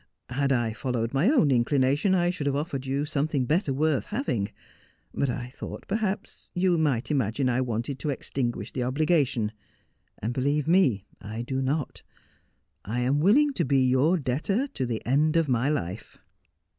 Had I followed my own inclination I should have offered you something better worth having ; but I thought, perhaps, you might imagine I wanted to extinguish the obligation ; and, believe me, I do not. I am willing to be your debtor to the end of my life.'